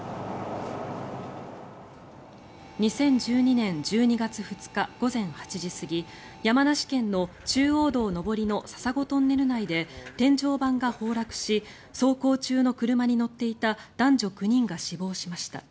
２０１２年１２月２日午前８時過ぎ山梨県の中央道上りの笹子トンネル内で天井板が崩落し走行中の車に乗っていた男女９人が死亡しました。